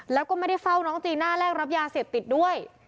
แล้วก็ไม่ได้เฝ้าน้องจีน่าแลกรับยาเสพติดด้วย